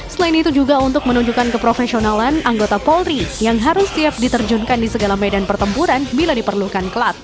selain itu juga untuk menunjukkan keprofesionalan anggota polri yang harus siap diterjunkan di segala medan pertempuran bila diperlukan kelat